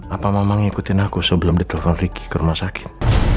apa mama ngikutin aku sebelum ditelepon ricky ke rumah sakit